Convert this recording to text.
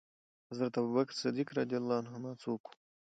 حضرت ابوبکر صديق څوک وو؟